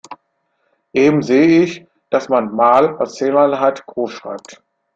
Eben sehe ich, dass man „mal“ als Zähleinheit groß schreibt.